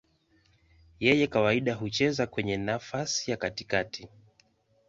Yeye kawaida hucheza kwenye nafasi ya katikati.